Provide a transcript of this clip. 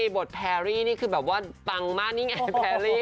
บทแพรรี่นี่คือแบบว่าปังมากนี่ไงแพรรี่